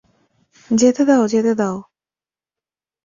যেতে দাও, যেতে দাও।